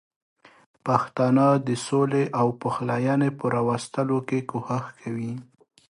پښتانه د سولې او پخلاینې په راوستلو کې کوښښ کوي.